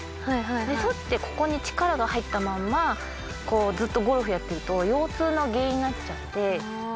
反ってここに力が入ったまんまずっとゴルフやってると腰痛の原因になっちゃって。